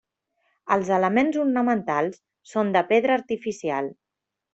Els elements ornamentals són de pedra artificial.